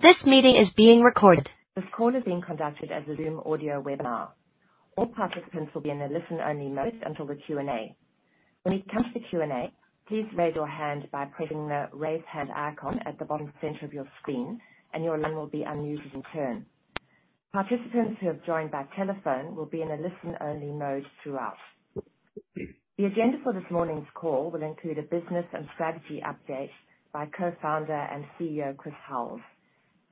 This meeting is being recorded. This call is being conducted as a Zoom audio webinar. All participants will be in a listen-only mode until the Q&A. When it comes to Q&A, please raise your hand by pressing the Raise Hand icon at the bottom center of your screen, and your line will be unmuted in turn. Participants who have joined by telephone will be in a listen-only mode throughout. The agenda for this morning's call will include a business and strategy update by Co-founder and CEO, Chris Hulls,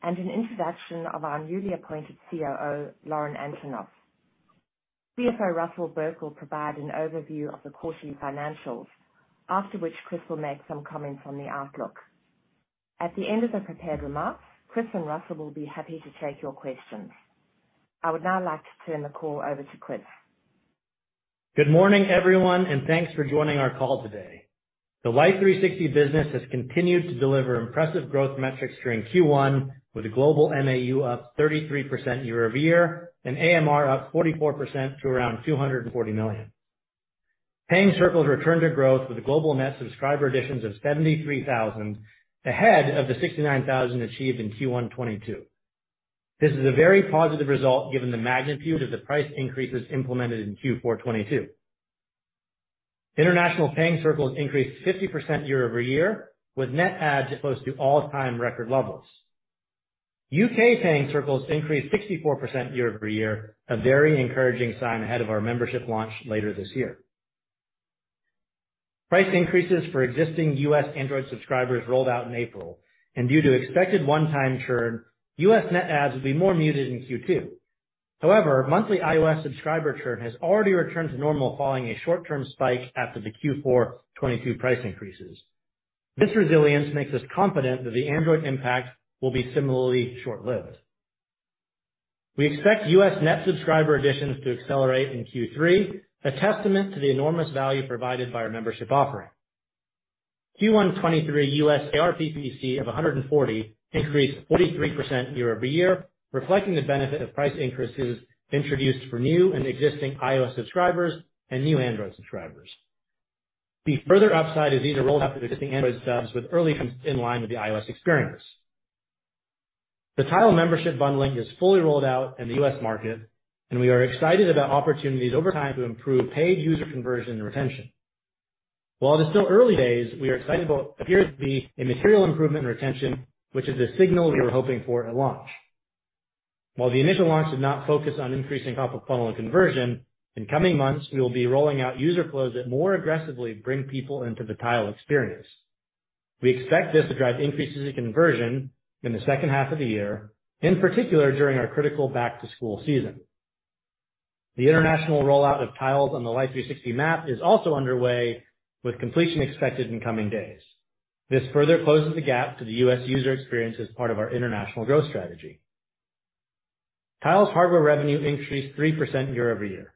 and an introduction of our newly appointed COO, Lauren Antonoff. CFO Russell Burke will provide an overview of the quarterly financials. After which, Chris will make some comments on the outlook. At the end of the prepared remarks, Chris and Russell will be happy to take your questions. I would now like to turn the call over to Chris. Good morning, everyone, and thanks for joining our call today. The Life360 business has continued to deliver impressive growth metrics during Q1 with a global MAU up 33% year-over-year and AMR up 44% to around 240 million. Paying Circles returned to growth with the global net subscriber additions of 73,000, ahead of the 69,000 achieved in Q1 2022. This is a very positive result given the magnitude of the price increases implemented in Q4 2022. International Paying Circles increased 50% year-over-year with net adds close to all-time record levels. U.K. Paying Circles increased 64% year-over-year, a very encouraging sign ahead of our membership launch later this year. Price increases for existing U.S. Android subscribers rolled out in April, and due to expected one-time churn, U.S. net adds will be more muted in Q2. Monthly iOS subscriber churn has already returned to normal following a short-term spike after the Q4 '22 price increases. This resilience makes us confident that the Android impact will be similarly short-lived. We expect U.S. net subscriber additions to accelerate in Q3, a testament to the enormous value provided by our membership offering. Q1 '23 U.S. ARPP of 140 increased 43% year-over-year, reflecting the benefit of price increases introduced for new and existing iOS subscribers and new Android subscribers. The further upside is either rolled out to existing Android subs with early in line with the iOS experience. The Tile membership bundling is fully rolled out in the U.S. market, and we are excited about opportunities over time to improve paid user conversion and retention. While it is still early days, we are excited about what appears to be a material improvement in retention, which is the signal we were hoping for at launch. While the initial launch did not focus on increasing top of funnel and conversion, in coming months, we will be rolling out user flows that more aggressively bring people into the Tile experience. We expect this to drive increases in conversion in the second half of the year, in particular during our critical back to school season. The international rollout of Tile on the Life360 map is also underway, with completion expected in coming days. This further closes the gap to the U.S. user experience as part of our international growth strategy. Tile hardware revenue increased 3% year-over-year.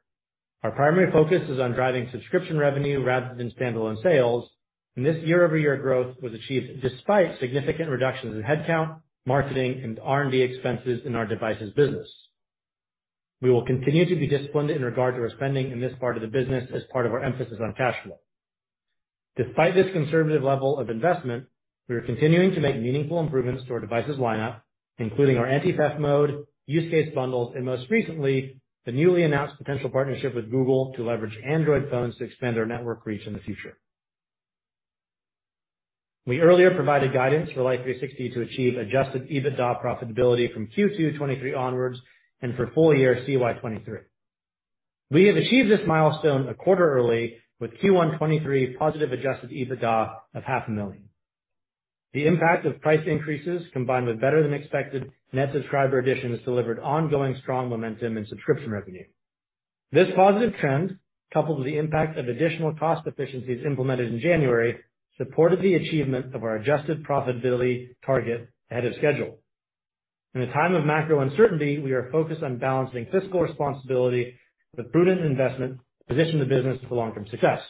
Our primary focus is on driving subscription revenue rather than standalone sales, and this year-over-year growth was achieved despite significant reductions in headcount, marketing, and R&D expenses in our devices business. We will continue to be disciplined in regard to our spending in this part of the business as part of our emphasis on cash flow. Despite this conservative level of investment, we are continuing to make meaningful improvements to our devices lineup, including our Anti-Theft Mode, use case bundles, and most recently, the newly announced potential partnership with Google to leverage Android phones to expand our network reach in the future. We earlier provided guidance for Life360 to achieve adjusted EBITDA profitability from Q2 '23 onwards and for full year CY '23. We have achieved this milestone a quarter early with Q1 '23 positive adjusted EBITDA of half a million. The impact of price increases combined with better than expected net subscriber additions delivered ongoing strong momentum in subscription revenue. This positive trend, coupled with the impact of additional cost efficiencies implemented in January, supported the achievement of our adjusted profitability target ahead of schedule. In a time of macro uncertainty, we are focused on balancing fiscal responsibility with prudent investment to position the business for long-term success.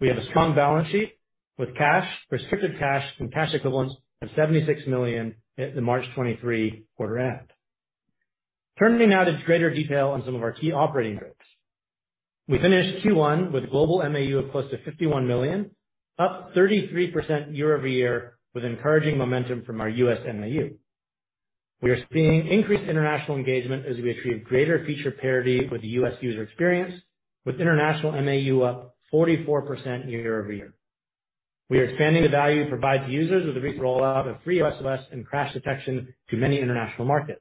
We have a strong balance sheet with cash, restricted cash, and cash equivalents of 76 million at the March 2023 quarter end. Turning now to greater detail on some of our key operating groups. We finished Q1 with global MAU of close to 51 million, up 33% year-over-year with encouraging momentum from our U.S. MAU. We are seeing increased international engagement as we achieve greater feature parity with the U.S. user experience with international MAU up 44% year-over-year. We are expanding the value provided to users with a big rollout of free SOS and Crash Detection to many international markets.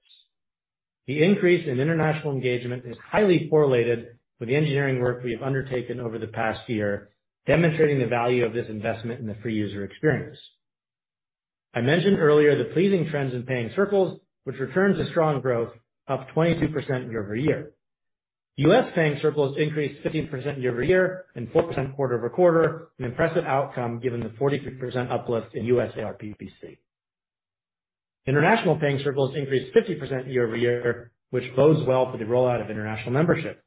The increase in international engagement is highly correlated with the engineering work we have undertaken over the past year, demonstrating the value of this investment in the free user experience. I mentioned earlier the pleasing trends in Paying Circles, which returns a strong growth up 22% year-over-year. U.S. Paying Circles increased 15% year-over-year and 4% quarter-over-quarter, an impressive outcome given the 43% uplift in U.S. ARPP. International Paying Circles increased 50% year-over-year, which bodes well for the rollout of international membership.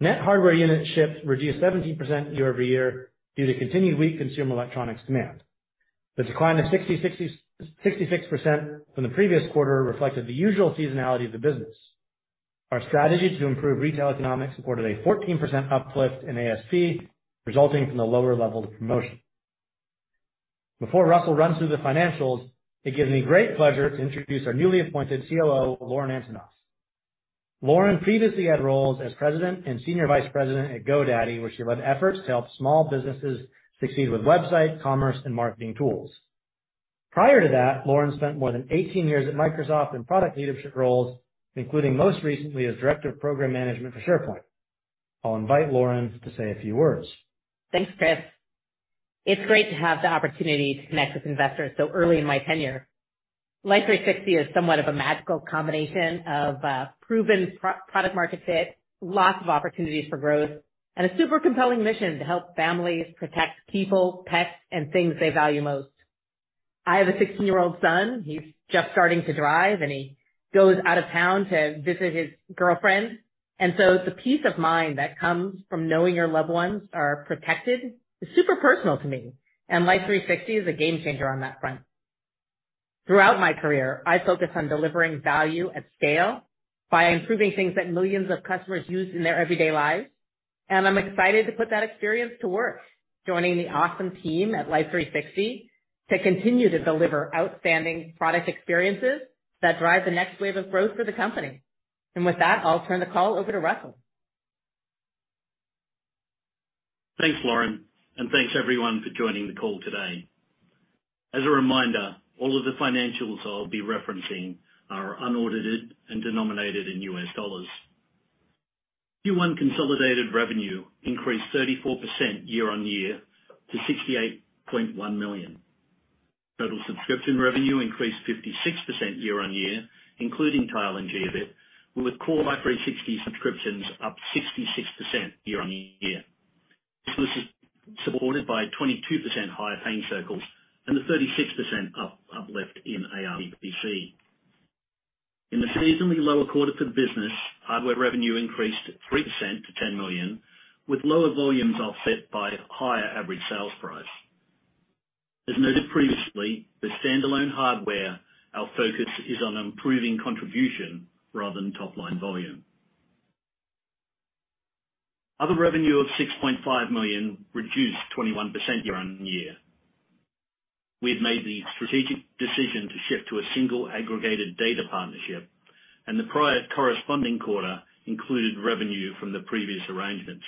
Net hardware unit ships reduced 17% year-over-year due to continued weak consumer electronics demand. The decline of 66% from the previous quarter reflected the usual seasonality of the business. Our strategy to improve retail economics supported a 14% uplift in ASP, resulting from the lower level of promotion. Before Russell runs through the financials, it gives me great pleasure to introduce our newly appointed COO, Lauren Antonoff. Lauren previously had roles as president and senior vice president at GoDaddy, where she led efforts to help small businesses succeed with website, commerce, and marketing tools. Prior to that, Lauren spent more than 18 years at Microsoft in product leadership roles, including most recently as Director of Program Management for SharePoint. I'll invite Lauren to say a few words. Thanks, Chris. It's great to have the opportunity to connect with investors so early in my tenure. Life360 is somewhat of a magical combination of proven product-market fit, lots of opportunities for growth, and a super compelling mission to help families protect people, pets, and things they value most. I have a 16-year-old son. He's just starting to drive, and he goes out of town to visit his girlfriend. The peace of mind that comes from knowing your loved ones are protected is super personal to me, and Life360 is a game changer on that front. Throughout my career, I focused on delivering value at scale by improving things that millions of customers use in their everyday lives. I'm excited to put that experience to work, joining the awesome team at Life360 to continue to deliver outstanding product experiences that drive the next wave of growth for the company. With that, I'll turn the call over to Russell. Thanks, Lauren. Thanks everyone for joining the call today. As a reminder, all of the financials I'll be referencing are unaudited and denominated in US dollars. Q1 consolidated revenue increased 34% year-on-year to 68.1 million. Total subscription revenue increased 56% year-on-year, including Tile and Jiobit, with core Life360 subscriptions up 66% year-on-year. This was supported by 22% higher Paying Circles and the 36% uplift in ARPC. In the seasonally lower quarter for the business, hardware revenue increased 3% to 10 million, with lower volumes offset by higher average sales price. As noted previously, with standalone hardware, our focus is on improving contribution rather than top line volume. Other revenue of 6.5 million reduced 21% year-on-year. We have made the strategic decision to shift to a single aggregated data partnership. The prior corresponding quarter included revenue from the previous arrangements.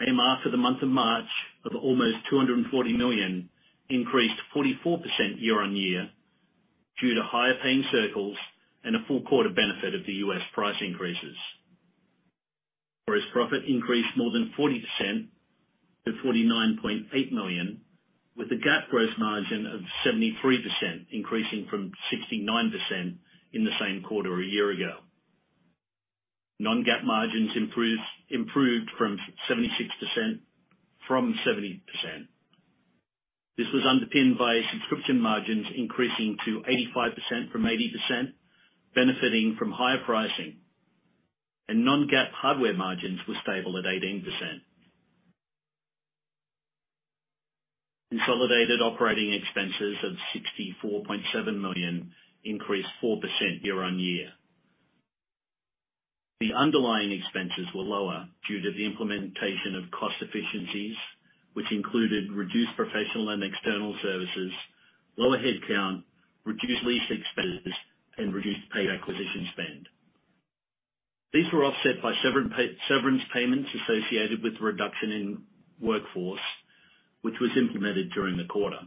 AMR for the month of March of almost 240 million increased 44% year-on-year due to higher Paying Circles and a full quarter benefit of the US price increases. Gross profit increased more than 40% to 49.8 million, with a GAAP gross margin of 73%, increasing from 69% in the same quarter a year ago. non-GAAP margins improved from 76% from 70%. This was underpinned by subscription margins increasing to 85% from 80%, benefiting from higher pricing. non-GAAP hardware margins were stable at 18%. Consolidated operating expenses of 64.7 million increased 4% year-on-year. The underlying expenses were lower due to the implementation of cost efficiencies, which included reduced professional and external services, lower headcount, reduced lease expenses, and reduced paid acquisition spend. These were offset by severance payments associated with the reduction in workforce, which was implemented during the quarter.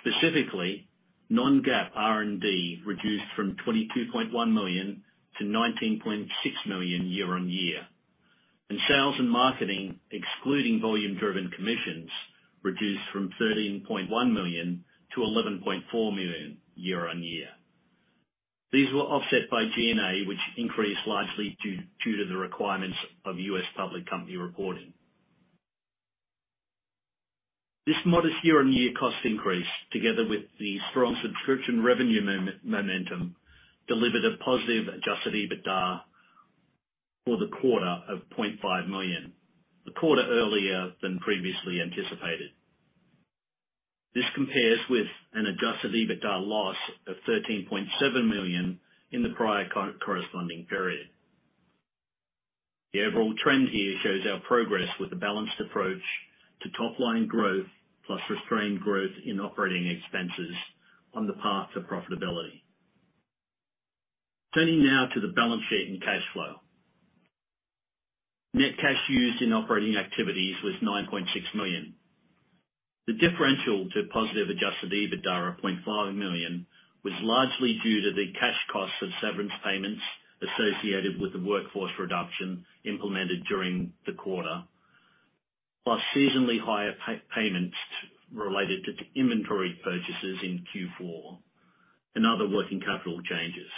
Specifically, non-GAAP R&D reduced from 22.1 million-19.6 million year-on-year, and sales and marketing, excluding volume-driven commissions, reduced from 13.1 million-11.4 million year-on-year. These were offset by G&A, which increased largely due to the requirements of U.S. public company reporting. This modest year-on-year cost increase, together with the strong subscription revenue momentum, delivered a positive adjusted EBITDA for the quarter of $0.5 million, a quarter earlier than previously anticipated. This compares with an adjusted EBITDA loss of 13.7 million in the prior co-corresponding period. The overall trend here shows our progress with a balanced approach to top line growth plus restrained growth in operating expenses on the path to profitability. Turning now to the balance sheet and cash flow. Net cash used in operating activities was 9.6 million. The differential to positive adjusted EBITDA of 0.5 million was largely due to the cash costs of severance payments associated with the workforce reduction implemented during the quarter, plus seasonally higher payments related to inventory purchases in Q4 and other working capital changes.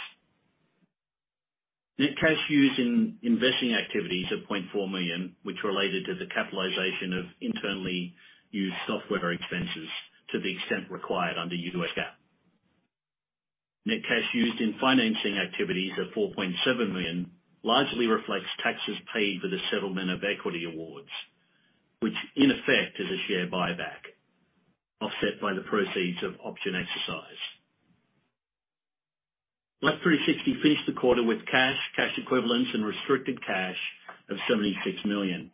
Net cash used in investing activities of 0.4 million, which related to the capitalization of internally used software expenses to the extent required under U.S. GAAP. Net cash used in financing activities of 4.7 million largely reflects taxes paid for the settlement of equity awards, which in effect is a share buyback. Offset by the proceeds of option exercise. Life360 finished the quarter with cash equivalents, and restricted cash of 76 million.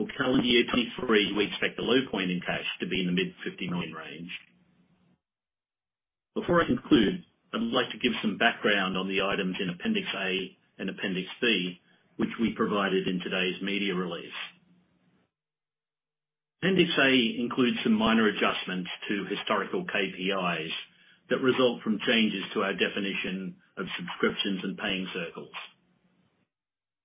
For calendar year 2023, we expect the low point in cash to be in the mid 50 million range. Before I conclude, I would like to give some background on the items in Appendix A and Appendix B, which we provided in today's media release. Appendix A includes some minor adjustments to historical KPIs that result from changes to our definition of subscriptions and Paying Circles.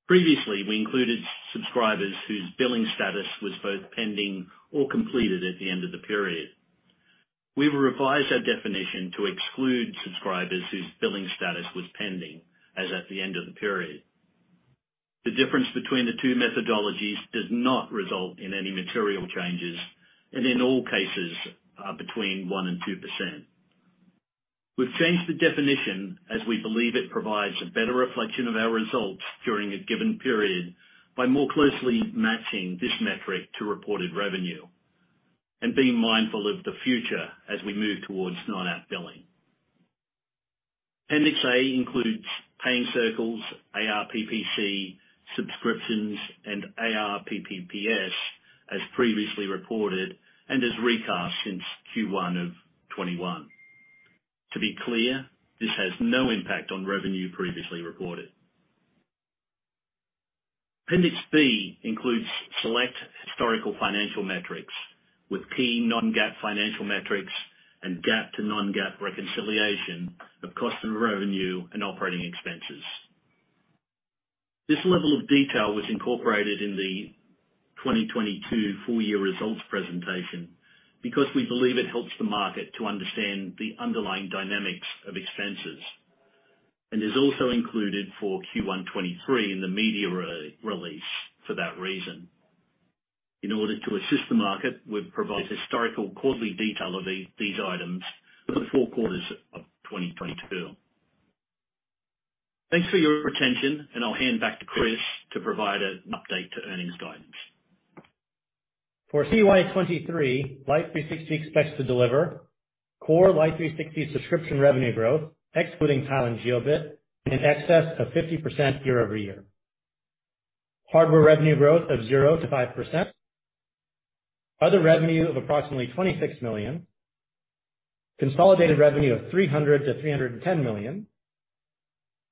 Previously, we included subscribers whose billing status was both pending or completed at the end of the period. We will revise our definition to exclude subscribers whose billing status was pending as at the end of the period. The difference between the two methodologies does not result in any material changes, and in all cases are between 1% and 2%. We've changed the definition as we believe it provides a better reflection of our results during a given period by more closely matching this metric to reported revenue and being mindful of the future as we move towards non-app billing. Appendix A includes Paying Circles, ARPPC, subscriptions, and ARPPS as previously reported and as recast since Q1 of 2021. To be clear, this has no impact on revenue previously reported. Appendix B includes select historical financial metrics with key non-GAAP financial metrics and GAAP to non-GAAP reconciliation of customer revenue and operating expenses. This level of detail was incorporated in the 2022 full year results presentation because we believe it helps the market to understand the underlying dynamics of expenses, and is also included for Q1 2023 in the media re-release for that reason. In order to assist the market, we've provided historical quarterly detail of these items for the four quarters of 2022. Thanks for your attention, I'll hand back to Chris to provide an update to earnings guidance. For CY '23, Life360 expects to deliver core Life360 subscription revenue growth, excluding Tile and Jiobit, in excess of 50% year-over-year. Hardware revenue growth of 0%-5%. Other revenue of approximately 26 million. Consolidated revenue of 300 million-310 million.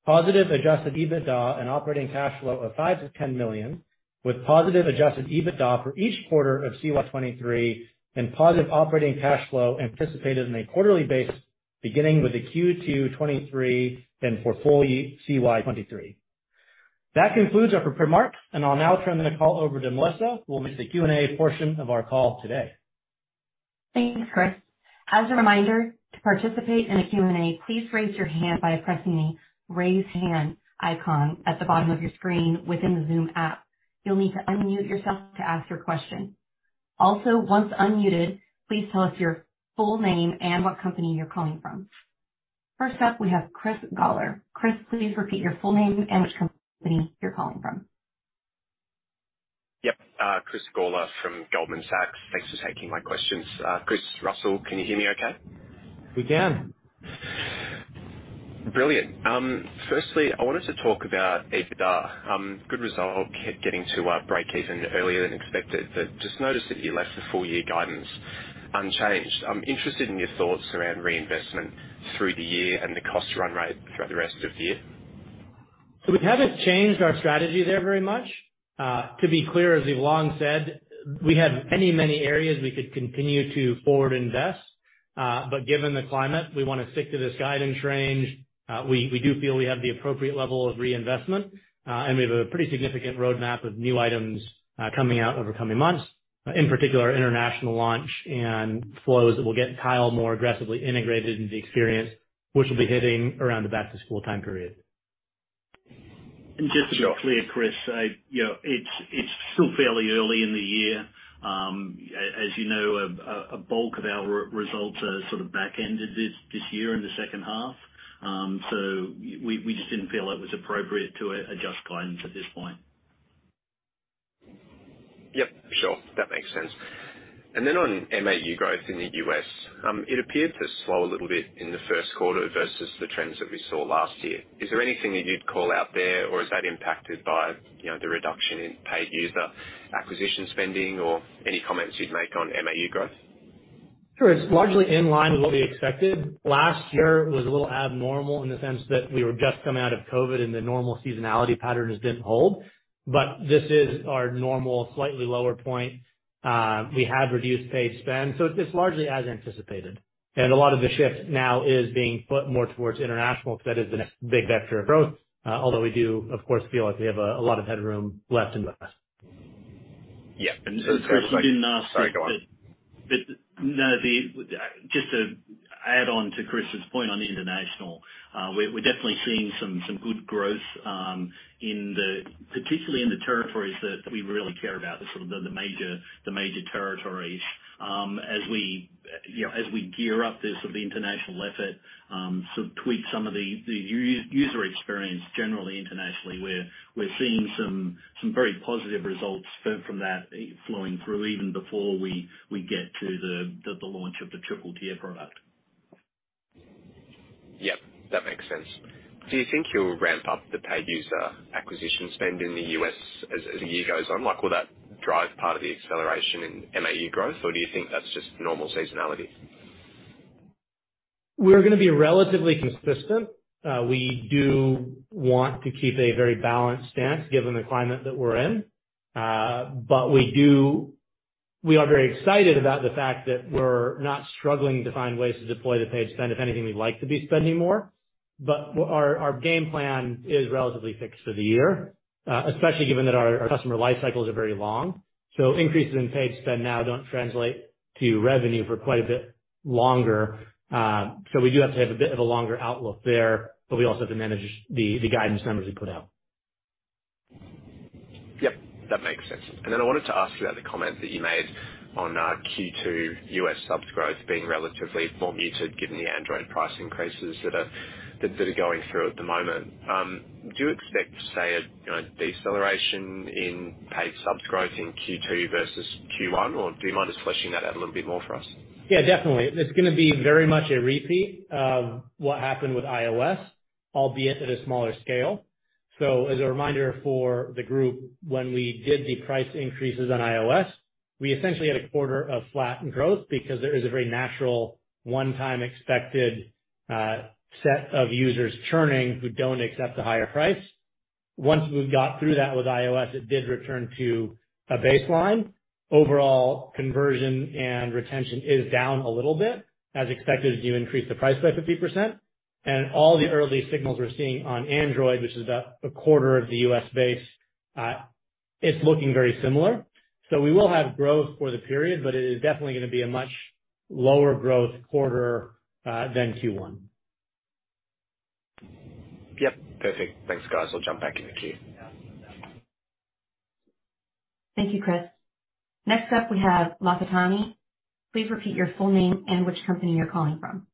Positive adjusted EBITDA and operating cash flow of 5 million-10 million, with positive adjusted EBITDA for each quarter of CY '23 and positive operating cash flow anticipated on a quarterly basis beginning with the Q2 '23 and for full year CY '23. That concludes our prepared remarks, I'll now turn the call over to Melissa who will meet the Q&A portion of our call today. Thanks, Chris. As a reminder, to participate in a Q&A, please raise your hand by pressing the Raise Hand icon at the bottom of your screen within the Zoom app. You'll need to unmute yourself to ask your question. Once unmuted, please tell us your full name and what company you're calling from. First up, we have Chris Hulls. Chris, please repeat your full name and which company you're calling from. Yep. Chris Hulls from Goldman Sachs. Thanks for taking my questions. Chris Russell, can you hear me okay? We can. Brilliant. Firstly, I wanted to talk about EBITDA. Good result getting to breakeven earlier than expected. Just noticed that you left the full year guidance unchanged. I'm interested in your thoughts around reinvestment through the year and the cost run rate throughout the rest of the year. We haven't changed our strategy there very much. To be clear, as we've long said, we have many, many areas we could continue to forward invest, but given the climate, we wanna stick to this guidance range. We do feel we have the appropriate level of reinvestment, and we have a pretty significant roadmap of new items, coming out over coming months. In particular, international launch and flows that will get Tile more aggressively integrated into the experience, which will be hitting around the back to school time period. Just to be clear, Chris, you know, it's still fairly early in the year. As you know, a bulk of our results are sort of backended this year in the second half. We just didn't feel it was appropriate to adjust guidance at this point. Yep, sure. That makes sense. On MAU growth in the U.S., it appeared to slow a little bit in the first quarter versus the trends that we saw last year. Is there anything that you'd call out there, or is that impacted by, you know, the reduction in paid user acquisition spending? Any comments you'd make on MAU growth? Sure. It's largely in line with what we expected. Last year was a little abnormal in the sense that we were just coming out of COVID and the normal seasonality patterns didn't hold. This is our normal, slightly lower point. We have reduced paid spend, so it's largely as anticipated. A lot of the shift now is being put more towards international because that is the next big vector of growth. Although we do, of course, feel like we have a lot of headroom left in the U.S. Yeah. and Chris- Chris, if I can just- Sorry, go on. None of the... just to add on to Chris's point on international, we're definitely seeing some good growth in the... particularly in the territories that we really care about, the sort of the major territories, You know, as we gear up this sort of international effort, sort of tweak some of the user experience generally internationally, we're seeing some very positive results from that flowing through even before we get to the launch of the triple tier product. Yep, that makes sense. Do you think you'll ramp up the paid user acquisition spend in the U.S. as the year goes on? Like, will that drive part of the acceleration in MAU growth, or do you think that's just normal seasonality? We're gonna be relatively consistent. We do want to keep a very balanced stance given the climate that we're in. We are very excited about the fact that we're not struggling to find ways to deploy the paid spend. If anything, we'd like to be spending more. Our game plan is relatively fixed for the year, especially given that our customer life cycles are very long. Increases in paid spend now don't translate to revenue for quite a bit longer. We do have to have a bit of a longer outlook there, but we also have to manage the guidance numbers we put out. Yep, that makes sense. I wanted to ask you about the comment that you made on Q2 U.S. subs growth being relatively more muted given the Android price increases that are going through at the moment. Do you expect, say, a, you know, deceleration in paid subs growth in Q2 versus Q1? Do you mind just fleshing that out a little bit more for us? Yeah, definitely. It's gonna be very much a repeat of what happened with iOS, albeit at a smaller scale. As a reminder for the group, when we did the price increases on iOS, we essentially had a quarter of flattened growth because there is a very natural one-time expected, set of users churning who don't accept the higher price. Once we got through that with iOS, it did return to a baseline. Overall conversion and retention is down a little bit, as expected as you increase the price by 50%. All the early signals we're seeing on Android, which is about a quarter of the U.S. base, it's looking very similar. We will have growth for the period, but it is definitely gonna be a much lower growth quarter, than Q1. Yep. Perfect. Thanks, guys. I'll jump back in the queue. Thank you, Chris. Next up we have Lafitani Sotiriou. Please repeat your full name and which company you're calling from.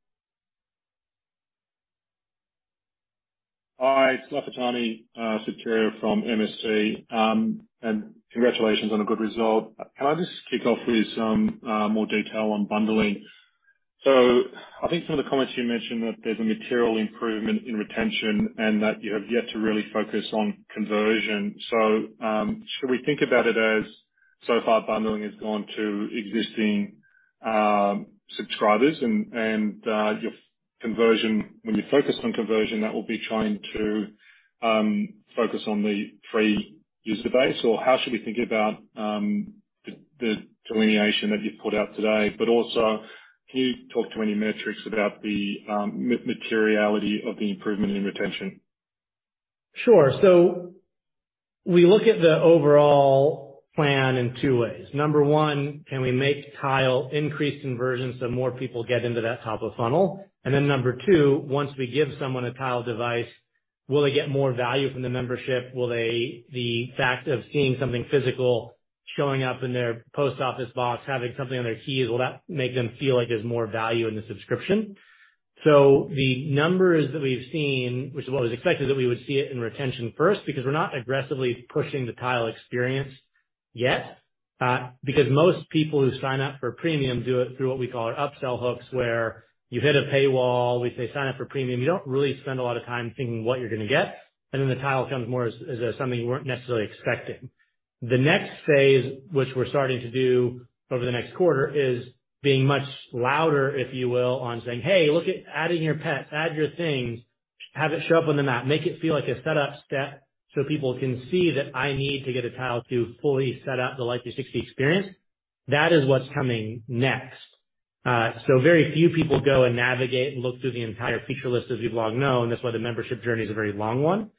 Hi, it's Lafitani Sotiriou from MST Financial. Congratulations on a good result. Can I just kick off with some more detail on bundling? I think some of the comments you mentioned that there's a material improvement in retention and that you have yet to really focus on conversion. Should we think about it as so far bundling has gone to existing subscribers and when you focus on conversion, that will be trying to focus on the free user base? How should we think about the delineation that you've put out today? Also, can you talk to any metrics about the materiality of the improvement in retention? Sure. We look at the overall plan in two ways. Number one, can we make Tile increase conversions so more people get into that top of funnel? Number two, once we give someone a Tile device, will they get more value from the membership? The fact of seeing something physical showing up in their post office box, having something on their keys, will that make them feel like there's more value in the subscription? The numbers that we've seen, which is what was expected that we would see it in retention first, because we're not aggressively pushing the Tile experience yet, because most people who sign up for premium do it through what we call our upsell hooks, where you hit a paywall, we say sign up for premium. You don't really spend a lot of time thinking what you're gonna get. The Tile comes more as something you weren't necessarily expecting. The next phase, which we're starting to do over the next quarter, is being much louder, if you will, on saying, "Hey, look at adding your pet, add your things, have it show up on the map." Make it feel like a setup step so people can see that I need to get a Tile to fully set up the Life360 experience. That is what's coming next. Very few people go and navigate and look through the entire feature list, as we've long known, that's why the membership journey is a very long one.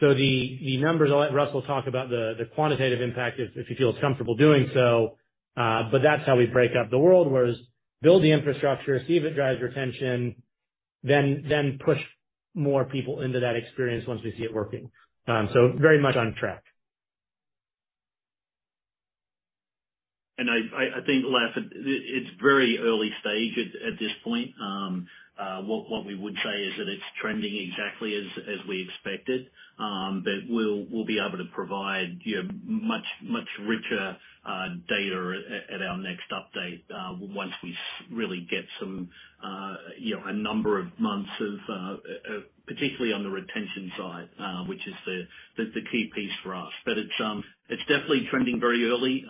The numbers, I'll let Russell talk about the quantitative impact if he feels comfortable doing so, but that's how we break up the world, whereas build the infrastructure, see if it drives retention, then push more people into that experience once we see it working. Very much on track. I think, Laf, it's very early stage at this point. What we would say is that it's trending exactly as we expected, but we'll be able to provide, you know, much richer data at our next update, once we really get some, you know, a number of months of, particularly on the retention side, which is the key piece for us. It's definitely trending very early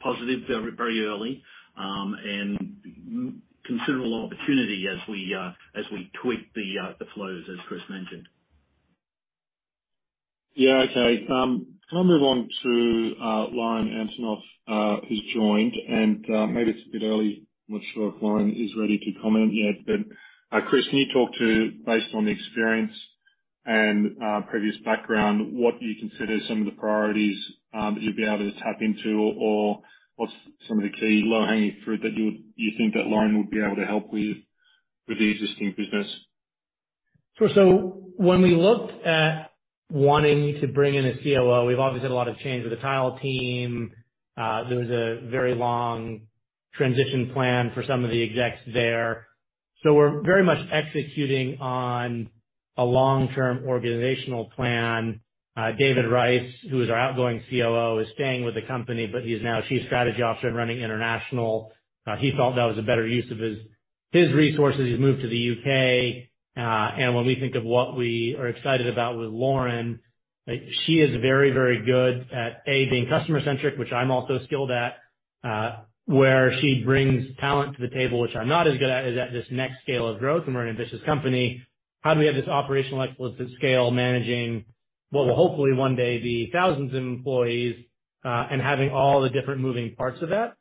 positive very early, and considerable opportunity as we tweak the flows, as Chris mentioned. Yeah. Okay. Can I move on to Lauren Antonoff, who's joined? Maybe it's a bit early. I'm not sure if Lauren is ready to comment yet. Chris, can you talk to, based on the experience and previous background, what you consider some of the priorities that you'd be able to tap into, or what's some of the key low-hanging fruit that you think that Lauren would be able to help with the existing business? When we looked at wanting to bring in a COO, we've obviously had a lot of change with the Tile team. There was a very long transition plan for some of the execs there. We're very much executing on a long-term organizational plan. David Rice, who is our outgoing COO, is staying with the company, but he's now Chief Strategy Officer and running international. He felt that was a better use of his resources. He's moved to the U.K. When we think of what we are excited about with Lauren, she is very, very good at, A, being customer-centric, which I'm also skilled at, where she brings talent to the table, which I'm not as good at, is at this next scale of growth, and we're an ambitious company. How do we have this operational excellence at scale, managing what will hopefully one day be thousands of employees, and having all the different moving parts of that.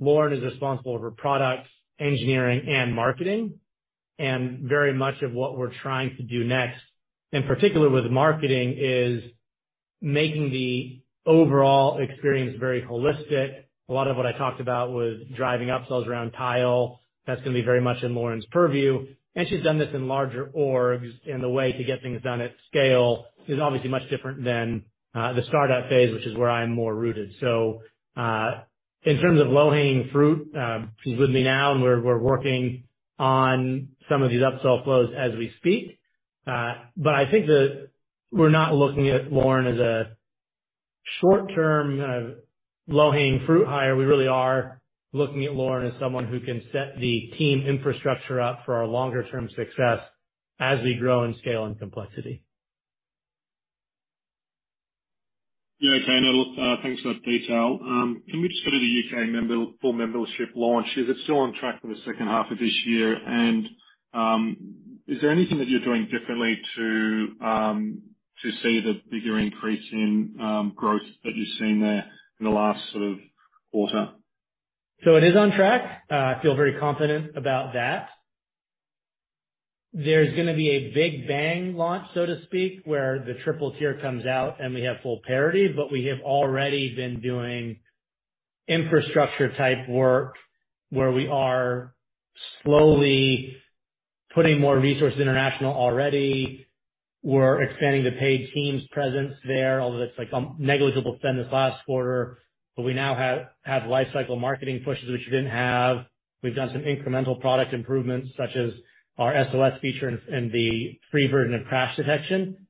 Lauren is responsible for products, engineering and marketing. Very much of what we're trying to do next, in particular with marketing, is making the overall experience very holistic. A lot of what I talked about was driving upsells around Tile. That's gonna be very much in Lauren's purview. She's done this in larger orgs, and the way to get things done at scale is obviously much different than the startup phase, which is where I'm more rooted. In terms of low-hanging fruit, she's with me now, and we're working on some of these upsell flows as we speak. I think that we're not looking at Lauren as a short-term, low-hanging fruit hire. We really are looking at Lauren as someone who can set the team infrastructure up for our longer term success as we grow in scale and complexity. Yeah. Okay. No, thanks for that detail. Can we just go to the U.K. full membership launch? Is it still on track for the second half of this year? Is there anything that you're doing differently to see the bigger increase in growth that you've seen there in the last sort of quarter? It is on track. I feel very confident about that. There's gonna be a big bang launch, so to speak, where the triple tier comes out and we have full parity. We have already been doing infrastructure type work where we are slowly putting more resources international already. We're expanding the paid teams presence there, although that's like a negligible spend this last quarter. We now have lifecycle marketing pushes, which we didn't have. We've done some incremental product improvements, such as our SOS feature and the free version of Crash Detection.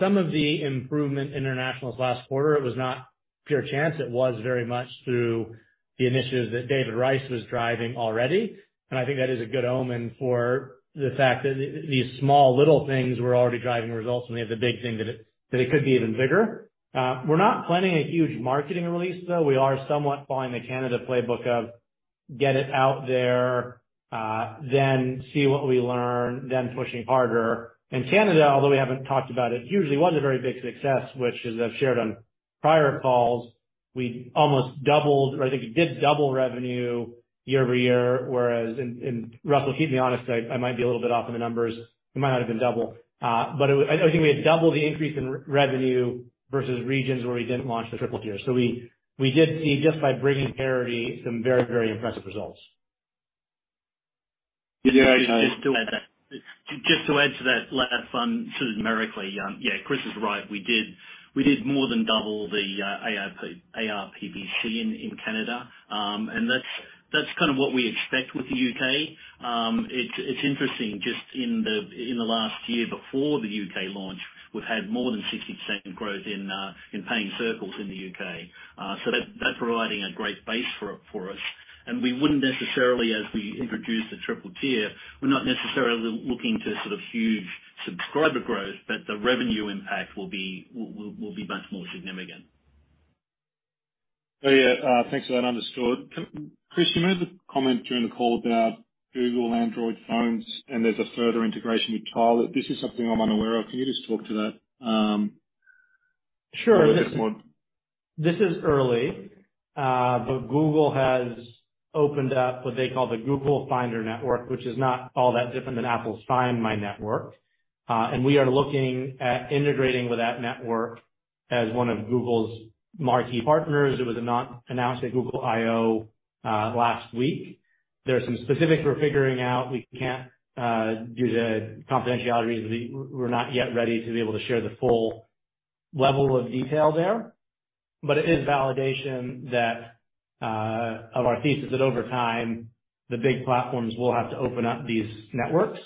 Some of the improvement international this last quarter, it was not pure chance. It was very much through the initiatives that David Rice was driving already. I think that is a good omen for the fact that these small little things were already driving results, and they have the big thing that it could be even bigger. We're not planning a huge marketing release, though. We are somewhat following the Canada playbook of get it out there, then see what we learn, then pushing harder. In Canada, although we haven't talked about it hugely, was a very big success, which as I've shared on prior calls, we almost doubled, or I think it did double revenue year-over-year, whereas in... Russell, keep me honest, I might be a little bit off on the numbers. It might not have been double. I think we had double the increase in revenue versus regions where we didn't launch the triple tier. We did see, just by bringing parity, some very, very impressive results. Yeah. Okay. Just to add that. Just to add to that last one, sort of numerically, yeah, Chris is right. We did more than double the ARPC in Canada. That's kind of what we expect with the U.K. It's interesting, just in the last year before the U.K. launch, we've had more than 60% growth in paying circles in the U.K. That's providing a great base for us. We wouldn't necessarily, as we introduce the triple tier, we're not necessarily looking to sort of huge subscriber growth, but the revenue impact will be much more significant. Oh, yeah. thanks for that. Understood. Chris, you made the comment during the call about Google Android phones and there's a further integration with Tile. This is something I'm unaware of. Can you just talk to that a little bit more? Sure. This is early, Google has opened up what they call the Find My Device, which is not all that different than Apple's Find My network. We are looking at integrating with that network as one of Google's marquee partners. It was announced at Google I/O last week. There are some specifics we're figuring out. We can't, due to confidentiality reasons, we're not yet ready to be able to share the full level of detail there. It is validation that of our thesis that over time, the big platforms will have to open up these networks.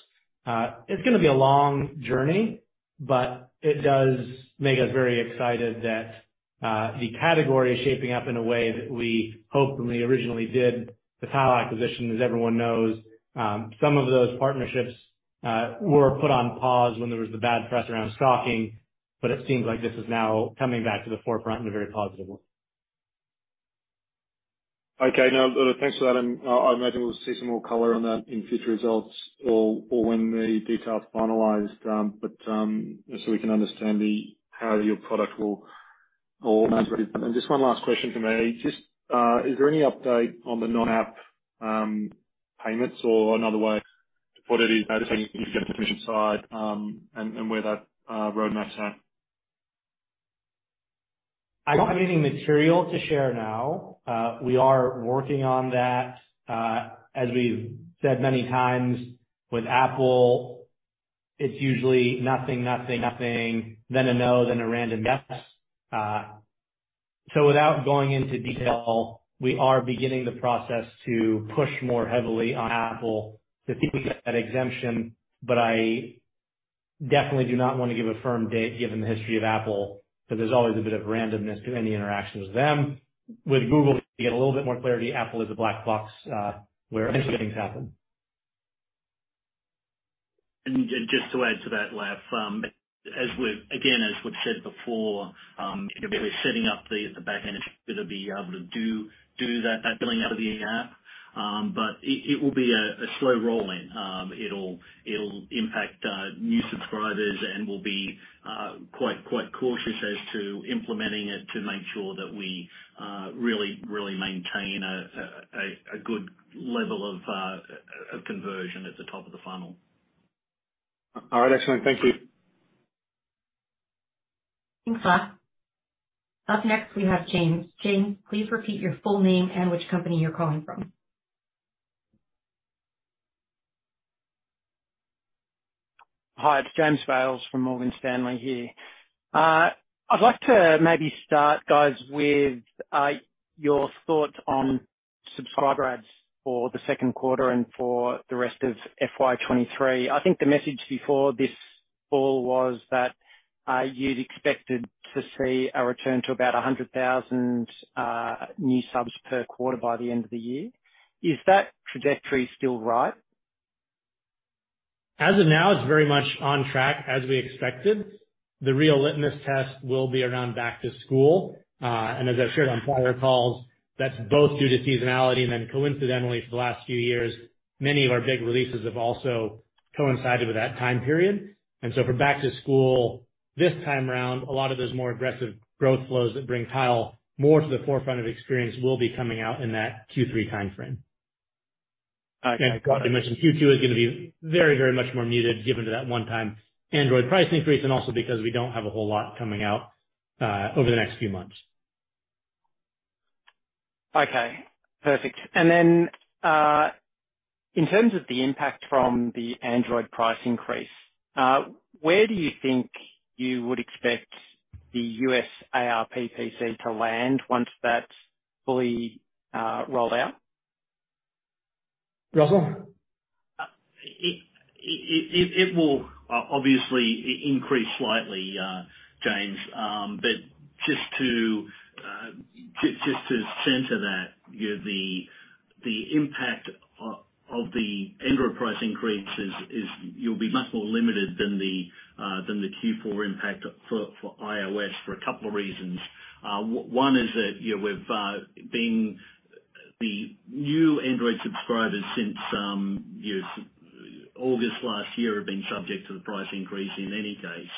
It's gonna be a long journey, but it does make us very excited that the category is shaping up in a way that we hoped when we originally did the Tile acquisition. As everyone knows, some of those partnerships were put on pause when there was the bad press around stalking, but it seems like this is now coming back to the forefront in a very positive way. Okay. No, thanks for that. I imagine we'll see some more color on that in future results or when the detail is finalized, but so we can understand the how your product will integrate. Just one last question for me, just, is there any update on the non-app payments or another way to put it is better from the commission side, and where that roadmap's at? I don't have any material to share now. We are working on that. As we've said many times with Apple, it's usually nothing, nothing, then a no, then a random yes. Without going into detail, we are beginning the process to push more heavily on Apple to see if we get that exemption. I definitely do not want to give a firm date given the history of Apple, because there's always a bit of randomness to any interaction with them. With Google, we get a little bit more clarity. Apple is a black box, where interesting things happen. Just to add to that, Laf, again, as we've said before, we're setting up the back end. It's going to be able to do that billing out of the in-app. But it will be a slow rolling. It'll impact new subscribers and we'll be quite cautious as to implementing it to make sure that we really maintain a good level of conversion at the top of the funnel. All right. Excellent. Thank you. Thanks, Laf. Up next, we have James. James, please repeat your full name and which company you're calling from. Hi, it's James Bales from Morgan Stanley here. I'd like to maybe start, guys, with your thoughts on subscriber adds for the second quarter and for the rest of FY 23. I think the message before this call was that you'd expected to see a return to about 100,000 new subs per quarter by the end of the year. Is that trajectory still right? As of now, it's very much on track as we expected. The real litmus test will be around back to school. As I've shared on prior calls, that's both due to seasonality and then coincidentally for the last few years, many of our big releases have also coincided with that time period. For back to school this time around, a lot of those more aggressive growth flows that bring Tile more to the forefront of experience will be coming out in that Q3 timeframe. Yeah, I probably mentioned Q2 is gonna be very much more muted given to that one time Android price increase, and also because we don't have a whole lot coming out over the next few months. Okay. Perfect. In terms of the impact from the Android price increase, where do you think you would expect the U.S. ARPPC to land once that's fully, rolled out? Russell? It will obviously increase slightly, James. Just to just to center that, you know, the impact of the Android price increase is you'll be much more limited than the Q4 impact for iOS for a couple of reasons. One is that, you know, we've been the new Android subscribers since, you know, August last year have been subject to the price increase in any case,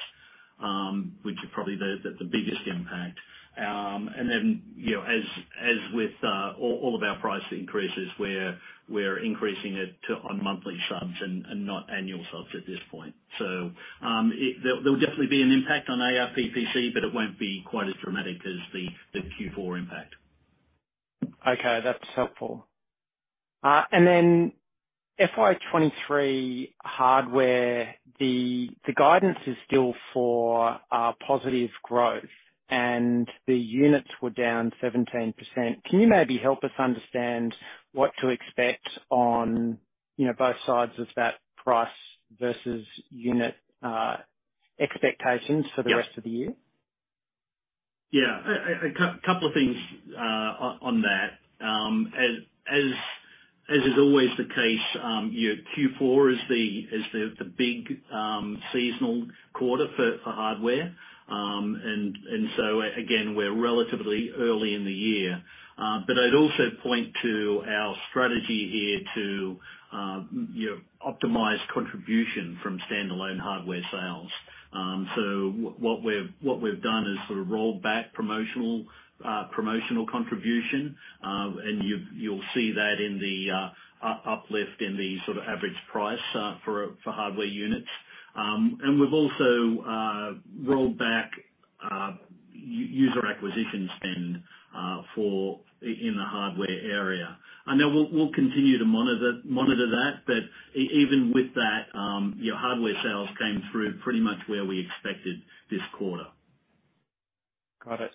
which is probably the biggest impact. Then, you know, as with all of our price increases, we're increasing it to on monthly subs and not annual subs at this point. There will definitely be an impact on ARPPC, but it won't be quite as dramatic as the Q4 impact. Okay. That's helpful. FY 2023 hardware, the guidance is still for positive growth. The units were down 17%. Can you maybe help us understand what to expect on, you know, both sides of that price versus unit expectations for the rest of the year? Yeah. A couple of things on that. As is always the case, you know, Q4 is the big seasonal quarter for hardware. Again, we're relatively early in the year. I'd also point to our strategy here to, you know, optimize contribution from standalone hardware sales. What we've done is sort of rolled back promotional contribution, and you'll see that in the uplift in the sort of average price for hardware units. We've also rolled back user acquisition spend in the hardware area. I know we'll continue to monitor that, but even with that, you know, hardware sales came through pretty much where we expected this quarter. Got it.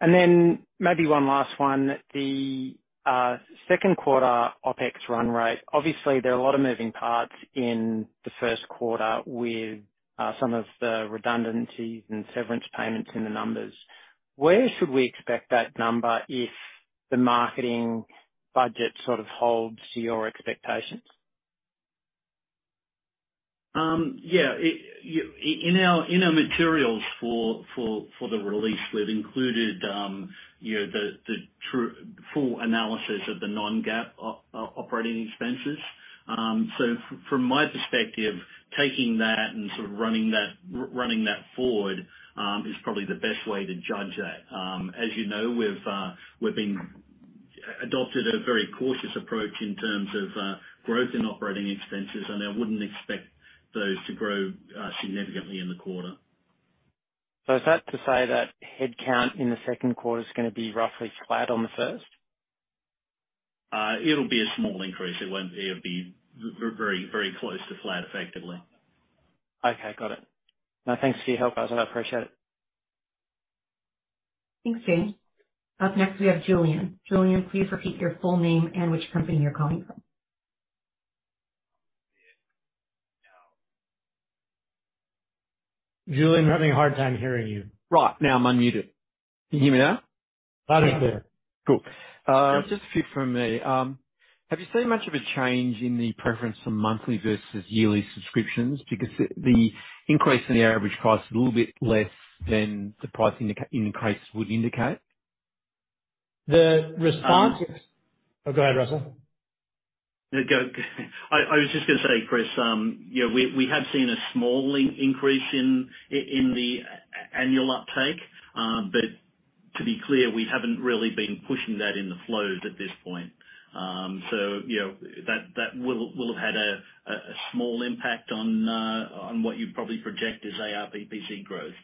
Then maybe one last one. The second quarter OPEX run rate, obviously there are a lot of moving parts in the first quarter with some of the redundancies and severance payments in the numbers. Where should we expect that number if the marketing budget sort of holds to your expectations? Yeah. In our materials for the release, we've included, you know, the full analysis of the non-GAAP operating expenses. From my perspective, taking that and sort of running that forward, is probably the best way to judge that. As you know, we've adopted a very cautious approach in terms of growth and operating expenses, I wouldn't expect those to grow significantly in the quarter. Is that to say that headcount in the second quarter is gonna be roughly flat on the first? It'll be a small increase. It'll be very, very close to flat, effectively. Okay. Got it. No, thanks for your help, Russell. I appreciate it. Thanks, James. Up next, we have Julian. Julian, please repeat your full name and which company you're calling from. Julian, we're having a hard time hearing you. Right. Now I'm unmuted. Can you hear me now? Loud and clear. Cool. Just a few from me. Have you seen much of a change in the preference for monthly versus yearly subscriptions? Because the increase in the average price is a little bit less than the price increase would indicate. The response is. Oh, go ahead, Russell. Yeah, go. I was just gonna say, Chris, you know, we have seen a small increase in the annual uptake. To be clear, we haven't really been pushing that in the flows at this point. You know, that will have had a small impact on what you'd probably project as ARPC growth.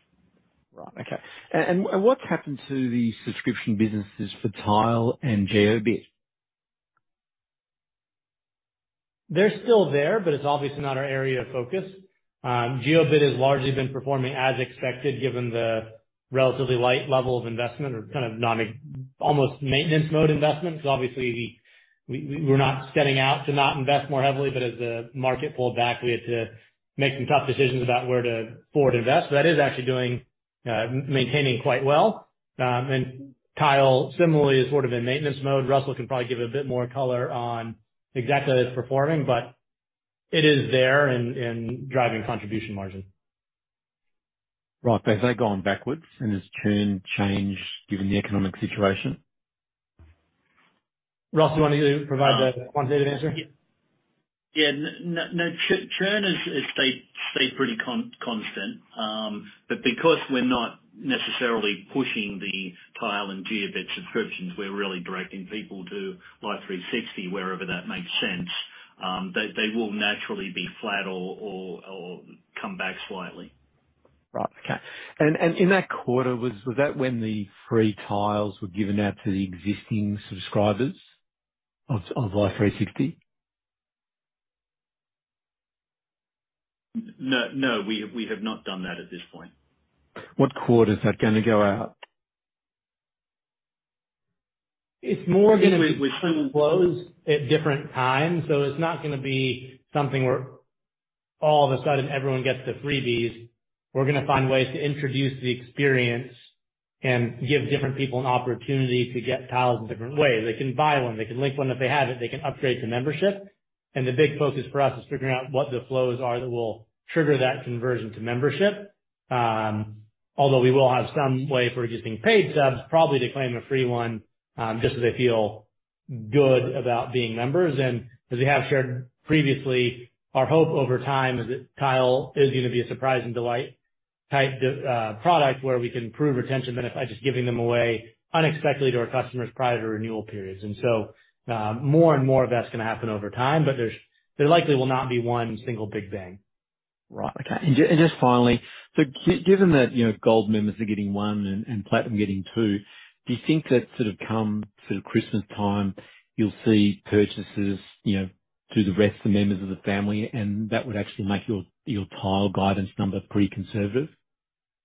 Right. Okay. What's happened to the subscription businesses for Tile and Jiobit? They're still there. It's obviously not our area of focus. Jiobit has largely been performing as expected, given the relatively light level of investment or kind of almost maintenance mode investment. Obviously we're not setting out to not invest more heavily, but as the market pulled back, we had to make some tough decisions about where to forward invest. That is actually doing maintaining quite well. Tile similarly is sort of in maintenance mode. Russell can probably give a bit more color on exactly how it's performing, but it is there and driving contribution margin. Right. Have they gone backwards, and has churn changed given the economic situation? Russell, you want to provide the quantitative answer? Yeah. No. Churn has stayed pretty constant. Because we're not necessarily pushing the Tile and Jiobit subscriptions, we're really directing people to Life360, wherever that makes sense, they will naturally be flat or come back slightly. Right. Okay. In that quarter was that when the free Tiles were given out to the existing subscribers of Life360? No. No, we have not done that at this point. What quarter is that gonna go out? It's more gonna be kind of flows at different times. It's not gonna be something where all of a sudden everyone gets the freebies. We're gonna find ways to introduce the experience and give different people an opportunity to get Tiles in different ways. They can buy one. They can link one if they have it. They can upgrade to membership. The big focus for us is figuring out what the flows are that will trigger that conversion to membership. Although we will have some way for existing paid subs probably to claim a free one, just so they feel good about being members. as we have shared previously, our hope over time is that Tile is gonna be a surprise and delight type product where we can improve retention benefit by just giving them away unexpectedly to our customers prior to renewal periods. more and more of that's gonna happen over time, but There likely will not be one single big bang. Right. Okay. Just finally, so given that, you know, gold members are getting one and platinum getting two, do you think that sort of come Christmastime you'll see purchases, you know, to the rest of the members of the family, and that would actually make your Tile guidance number pretty conservative?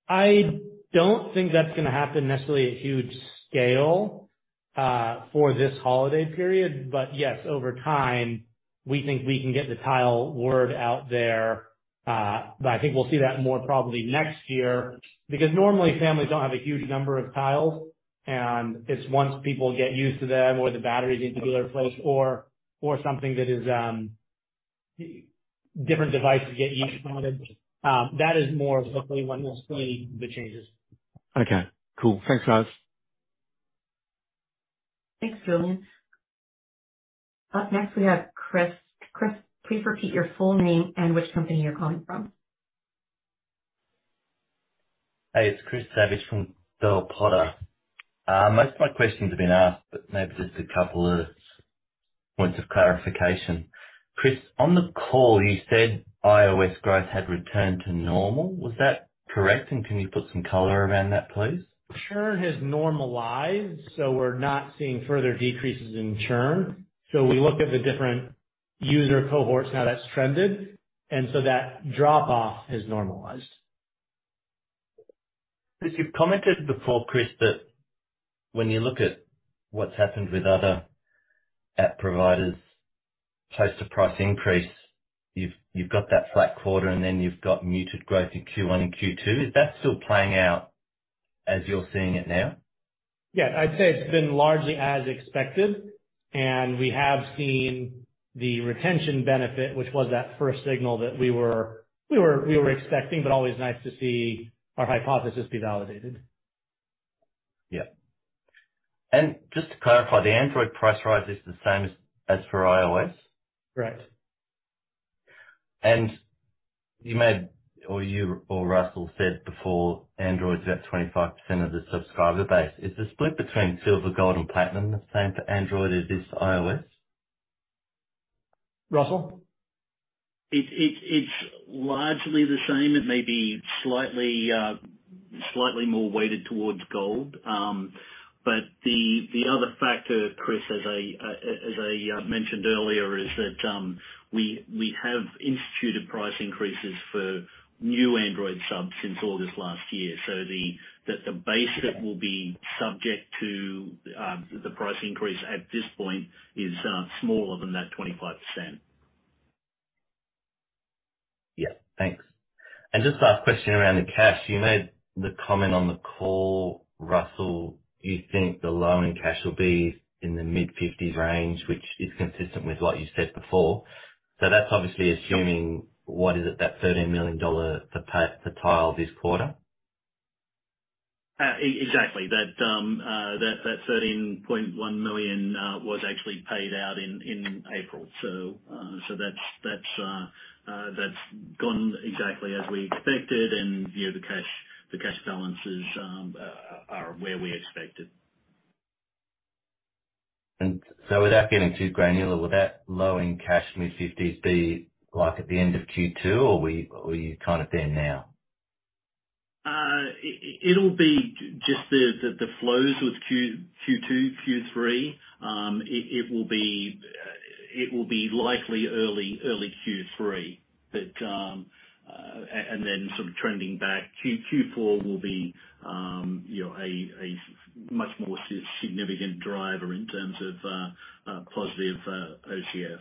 I don't think that's gonna happen necessarily at huge scale for this holiday period. Yes, over time, we think we can get the Tile word out there. I think we'll see that more probably next year, because normally families don't have a huge number of Tiles. It's once people get used to them or the batteries need to be replaced or something that is. Different devices get used on them. That is more hopefully when we'll see the changes. Okay. Cool. Thanks, guys. Thanks, Julian. Up next, we have Chris. Chris, please repeat your full name and which company you're calling from. Hey, it's Chris Savage from Bell Potter. Most of my questions have been asked, but maybe just a couple of points of clarification. Chris, on the call, you said iOS growth had returned to normal. Was that correct? Can you put some color around that, please? Churn has normalized, so we're not seeing further decreases in churn. We look at the different user cohorts, how that's trended, and so that drop off has normalized. 'Cause you've commented before, Chris, that when you look at what's happened with other app providers post a price increase, you've got that flat quarter, and then you've got muted growth in Q1 and Q2. Is that still playing out as you're seeing it now? Yeah. I'd say it's been largely as expected, and we have seen the retention benefit, which was that first signal that we were expecting, but always nice to see our hypothesis be validated. Yeah. Just to clarify, the Android price rise is the same as for iOS? Correct. You made, or you or Russell said before, Android's about 25% of the subscriber base. Is the split between silver, gold, and platinum the same for Android as it is to iOS? Russell? It's largely the same. It may be slightly slightly more weighted towards gold. The other factor, Chris, as I mentioned earlier, is that we have instituted price increases for new Android subs since August last year. That the base that will be subject to the price increase at this point is smaller than that 25%. Yeah. Thanks. Just last question around the cash. You made the comment on the call, Russell, you think the low in cash will be in the mid-$50s range, which is consistent with what you said before. That's obviously assuming, what is it? That $13 million per Tile this quarter. Exactly. That 13.1 million was actually paid out in April. That's gone exactly as we expected and, you know, the cash balances are where we expected. Without getting too granular, would that low in cash, mid-fifties, be, like, at the end of Q2, or are we kind of there now? It'll be just the flows with Q2, Q3. It will be likely early Q3. And then sort of trending back. Q4 will be, you know, a much more significant driver in terms of positive OCF.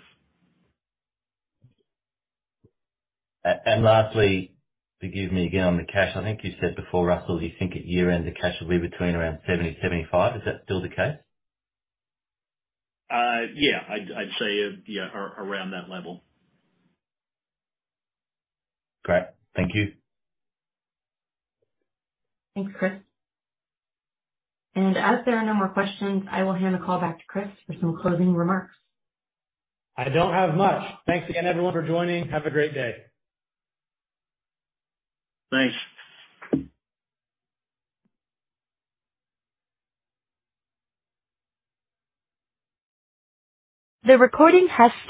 Lastly, forgive me again on the cash. I think you said before, Russell, you think at year-end the cash will be between around 70 million-75 million. Is that still the case? Yeah. I'd say, yeah, around that level. Great. Thank you. Thanks, Chris. As there are no more questions, I will hand the call back to Chris for some closing remarks. I don't have much. Thanks again everyone for joining. Have a great day. Thanks. The recording has stopped.